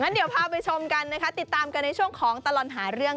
เดี๋ยวพาไปชมกันในช่วงของตลอดหาเรื่อง